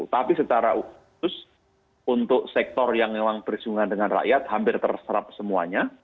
tapi secara khusus untuk sektor yang memang bersinggungan dengan rakyat hampir terserap semuanya